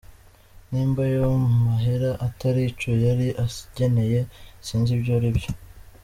Nimba ayo mahera atari ico yari ageneye, sinzi ivyo ari vyo.